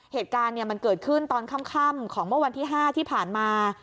เหตุการณ์มันเกิดขึ้นตอนค่ำของเมื่อวันที่๕ที่ผ่านมา